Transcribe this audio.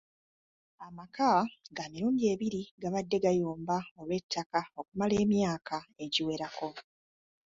Amaka ga mirundi ebiri gabadde gayomba olw'ettaka okumala emyaka egiwerako .